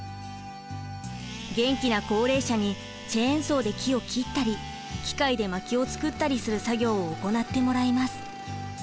元気な高齢者にチェーンソーで木を切ったり機械でまきを作ったりする作業を行ってもらいます。